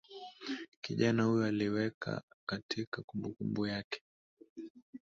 kijana huyo aliiweka katika kumbukumbu yake